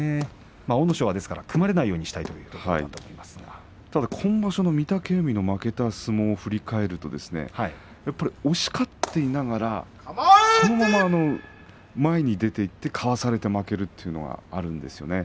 阿武咲は止まらないようにしたい今場所の御嶽海の負けた相撲を振り返ると押し勝っていながらそのまま前に出ていてかわされて負けるというのがあるんですね。